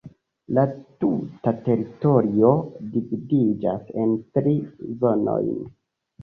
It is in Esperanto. La tuta teritorio dividiĝas en tri zonojn.